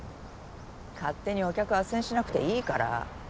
勝手にお客あっせんしなくていいから。